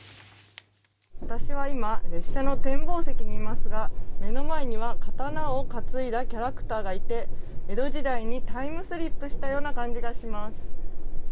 私は今列車の展望席にいますが目の前には刀を担いだキャラクターがいて江戸時代にタイムスリップしたような感じがします。